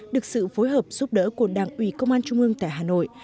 được sự phối hợp giúp đỡ của đảng ủy công an trung ương tại hà nội